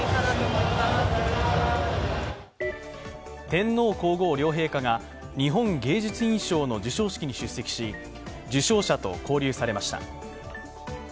天皇・皇后両陛下が、日本芸術院賞の授賞式に出席し、受賞者と交流されました。